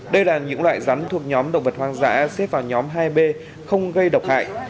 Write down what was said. đây là những loại rắn thuộc nhóm động vật hoang dã xếp vào nhóm hai b không gây độc hại